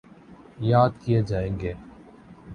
یاد کیے جائیں گے۔